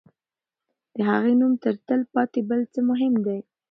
د هغې نوم تر تل پاتې بل څه مهم دی.